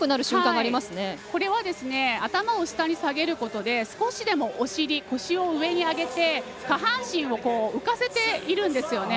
これは、頭を下に下げることで少しでもお尻、腰を上に上げて下半身を浮かせているんですよね。